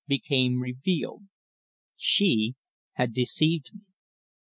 became revealed. She had deceived me!